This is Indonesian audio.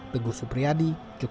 teguh supriyadi yogyakarta